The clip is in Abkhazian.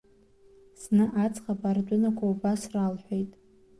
Зны аӡӷаб ардәынақәа убас ралҳәеит…